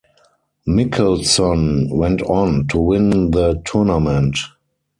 Mickelson went on to win the tournament.